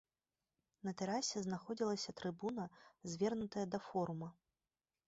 На тэрасе знаходзілася трыбуна, звернутая да форума.